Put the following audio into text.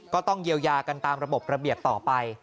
ก็ต้องเยียวยากันตามระบบระเบียบต่อไป